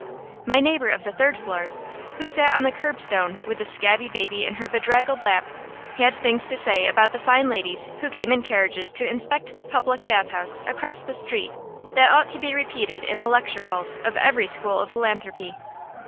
My neighbor of the third floor, who sat on the curbstone with the scabby baby in her bedraggled lap, had things to say about the fine ladies who came in carriages to inspect the public bathhouse across the street that ought to be repeated in the lecture halls of every school of philanthropy.